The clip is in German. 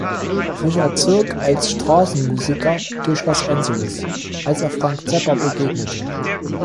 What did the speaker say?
Fischer zog als Straßenmusiker durch Los Angeles, als er Frank Zappa begegnete.